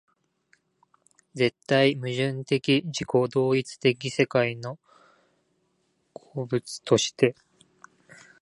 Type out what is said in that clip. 絶対矛盾的自己同一的世界の個物として